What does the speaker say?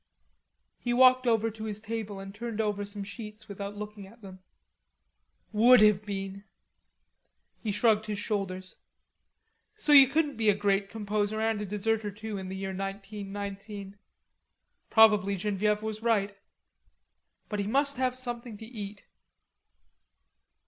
He walked over to the table and turned over some sheets without looking at them. "Would have been!" He shrugged his shoulders. So you couldn't be a great composer and a deserter too in the year 1919. Probably Genevieve was right. But he must have something to eat.